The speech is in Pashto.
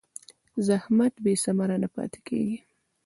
زحمت بېثمره نه پاتې کېږي.